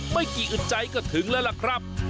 ไม่กี่อึดใจก็ถึงแล้วล่ะครับ